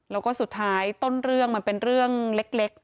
แล้วก็สุดท้ายต้นเรื่องมันเป็นเรื่องเล็ก